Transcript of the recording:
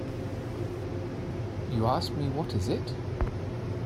You ask me what is it?